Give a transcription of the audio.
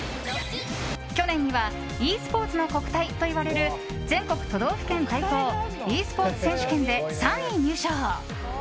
去年にはｅスポーツの国体といわれる全国都道府県対抗ｅスポーツ選手権で３位入賞。